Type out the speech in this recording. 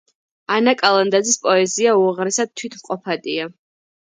ანა კალანდაძის პოეზია უაღესად თვითმყოფადია.